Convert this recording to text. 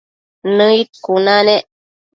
Nëid cuna nec